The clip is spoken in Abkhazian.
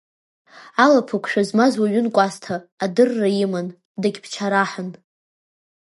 Алаԥықәшәа змаз уаҩын Кәасҭа, адырра иман, дагьбчараҳын.